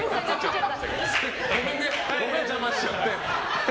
ごめん、邪魔しちゃって。